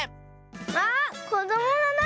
あっこどものな